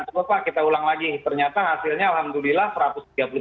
coba pak kita ulang lagi ternyata hasilnya alhamdulillah satu ratus tiga puluh juta